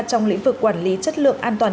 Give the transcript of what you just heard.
trong lĩnh vực quản lý chất lượng an toàn